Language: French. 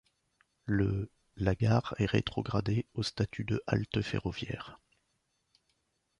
Le la gare est rétrogradée au statut de halte ferroviaire.